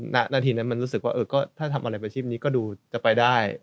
นาทีนั้นมันรู้สึกว่าก็ถ้าทำอะไรอาชีพนี้ก็ดูจะไปได้